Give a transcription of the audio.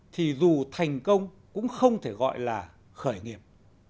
thì dù thành công cũng không thể gọi là khởi nghiệp